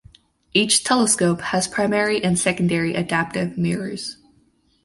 Each telescope has primary and secondary adaptive mirrors.